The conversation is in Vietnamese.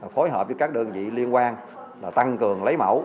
phối hợp với các đơn vị liên quan tăng cường lấy mẫu